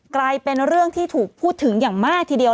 กลายเป็นเรื่องที่ถูกพูดถึงอย่างมากทีเดียว